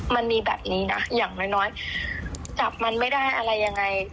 มันมีแบบนี้นะอย่างน้อยจับมันไม่ได้อะไรยังไง